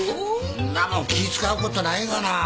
そんなもん気ぃ使うことないがな。